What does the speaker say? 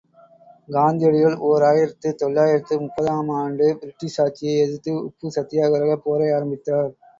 காந்தியடிகள் ஓர் ஆயிரத்து தொள்ளாயிரத்து முப்பது ஆம் ஆண்டு பிரிட்டிஷ் ஆட்சியை எதிர்த்து உப்புச் சத்தியாக்கிரகப் போரை ஆரம்பித்தார்.